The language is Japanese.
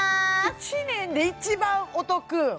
１年で一番お得？